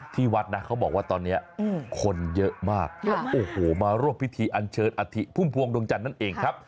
ที่วัดนะเขาบอกว่าตอนนี้คนเยอะมากโอ้โหมาร่วมพิธีอันเชิญอธิพุ่มพวงดวงจันทร์นั่นเองครับ